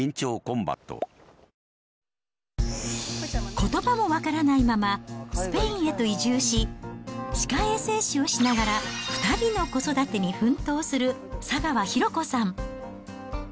ことばも分からないまま、スペインへと移住し、歯科衛生士をしながら２人の子育てに奮闘する佐川拓子さん。